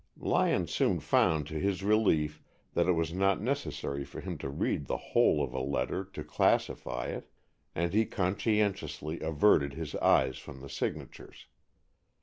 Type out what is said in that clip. Lyon soon found to his relief that it was not necessary for him to read the whole of a letter to classify it, and he conscientiously averted his eyes from the signatures.